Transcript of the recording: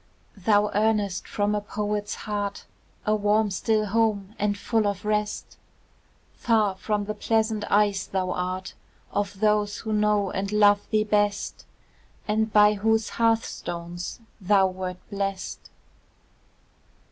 Thou earnest from a poet's heart, A warm, still home, and full of rest; Far from the pleasant eyes thou art Of those who know and love thee best, And by whose hearthstones thou wert blest.